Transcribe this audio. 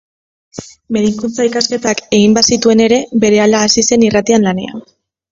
Medikuntza-ikasketak egin bazituen ere, berehala hasi zen irratian lanean.